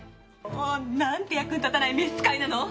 何て役に立たない召使いなの！